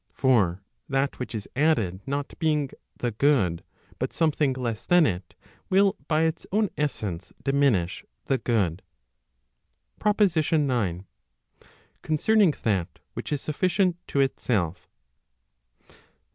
For that which is added not being the goody but something less than it, will by its own essence diminish the good. PROPOSITION IX. Concerning that which is sufficient to itself.